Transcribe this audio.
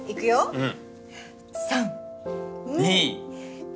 うん！